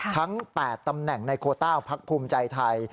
ทั้ง๘ตำแหน่งในโคต้าพักภูมิใจไทย